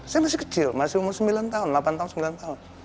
saya masih kecil masih umur sembilan tahun delapan tahun sembilan tahun